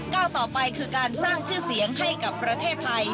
ต่อไปคือการสร้างชื่อเสียงให้กับประเทศไทย